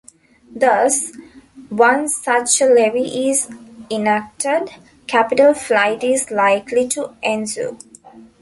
Thus, once such a levy is enacted, capital flight is likely to ensue.